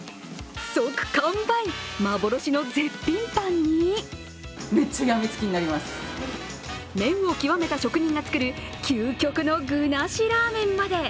即完売、幻の絶品パンに麺を極めた職人が作る究極の具なしラーメンまで。